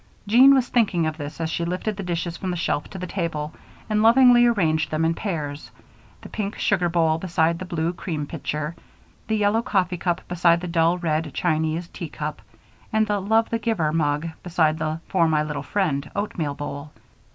Jean was thinking of this as she lifted the dishes from the shelf to the table, and lovingly arranged them in pairs, the pink sugar bowl beside the blue cream pitcher, the yellow coffee cup beside the dull red Japanese tea cup, and the "Love the Giver" mug beside the "For my Little Friend" oatmeal bowl.